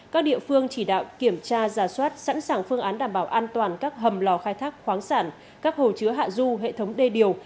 các địa phương chỉ đạo kiểm tra giả soát sẵn sàng phương án đảm bảo an toàn các hầm lò khai thác khoáng sản các hồ chứa hạ du hệ thống đê điều